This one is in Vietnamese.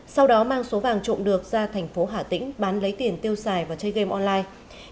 sau đó mang số vàng trộm được ra thành phố hà tĩnh bán lấy tiền tiêu xài và chơi game online